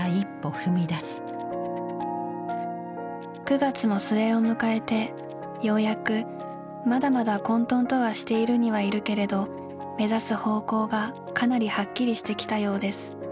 「九月も末をむかえてようやくまだまだ混沌とはしているにはいるけれど目指す方向がかなりはっきりしてきたようです。